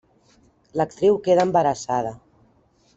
L'actriu queda embarassada.